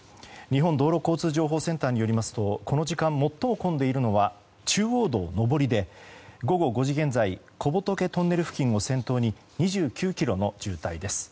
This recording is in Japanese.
日本道路交通情報センターによりますとこの時間、最も混んでいるのは中央道上りで午後５時現在小仏トンネル付近を先頭に２９ｋｍの渋滞です。